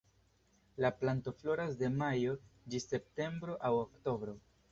La planto floras de majo ĝis septembro aŭ oktobro.